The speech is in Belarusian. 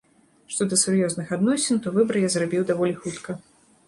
Што да сур'ёзных адносін, то выбар я зрабіў даволі хутка.